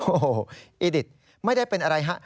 โอ้โหอีดิตไม่ได้เป็นอะไรฮะ